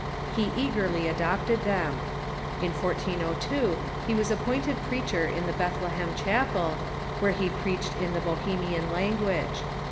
He eagerly adopted them. In 1402 he was appointed preacher in the Bethlehem Chapel, where he preached in the Bohe mian lan<xuaG:e.